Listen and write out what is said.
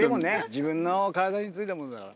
自分の体についたものだから。